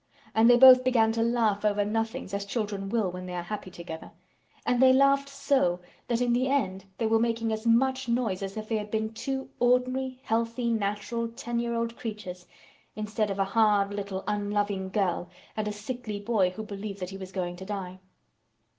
And they both began to laugh over nothings as children will when they are happy together. And they laughed so that in the end they were making as much noise as if they had been two ordinary healthy natural ten year old creatures—instead of a hard, little, unloving girl and a sickly boy who believed that he was going to die.